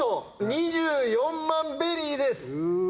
２４万ベリーです。